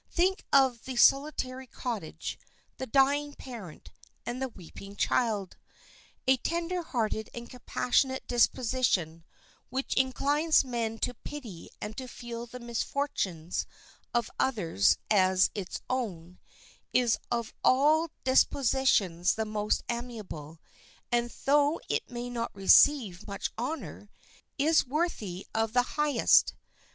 Think of the solitary cottage, the dying parent, and the weeping child. A tender hearted and compassionate disposition, which inclines men to pity and to feel the misfortunes of others as its own, is of all dispositions the most amiable, and though it may not receive much honor, is worthy of the highest.